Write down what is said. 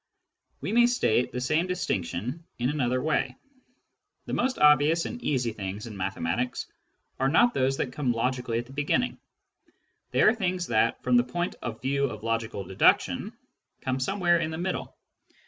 We may state the same distinction in another way. The most obvious and easy things in mathematics are not those that come logically at the beginning ; they are things that, from the point of view of logical deduction, come somewhere in the middle.